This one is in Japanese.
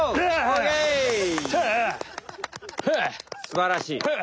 すばらしい。